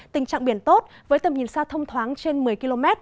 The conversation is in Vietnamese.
tình trạng biển tốt với tầm nhìn xa thông thoáng trên một mươi km